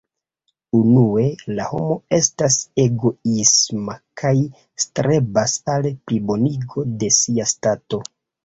Unue, la homo estas egoisma kaj strebas al plibonigo de sia stato.